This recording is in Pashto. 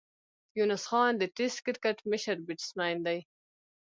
یونس خان د ټېسټ کرکټ مشر بېټسمېن دئ.